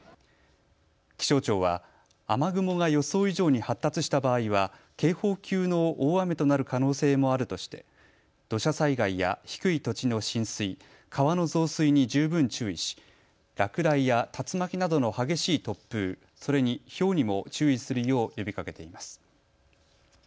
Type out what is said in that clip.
気象庁は雨雲が予想以上に発達した場合は警報級の大雨となる可能性もあるとして土砂災害や低い土地の浸水、川の増水に十分注意し落雷や竜巻などの激しい突風、それにひょうにも注意するよう呼びかけています。